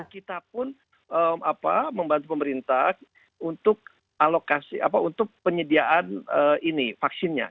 kita pun membantu pemerintah untuk penyediaan ini vaksinnya